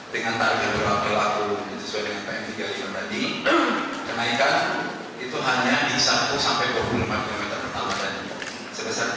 dengan tarif yang berlaku sesuai dengan pm tiga puluh lima tadi kenaikan itu hanya di satu sampai dua puluh empat km pertama tadi sebesar rp tiga